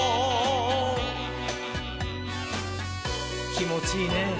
きもちいいねぇ。